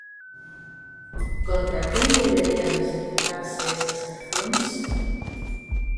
¿Contra quen deberían exercitarse esas accións?